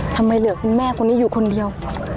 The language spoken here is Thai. ทำไมเหลือคุณแม่คนนี้อยู่คนเดียว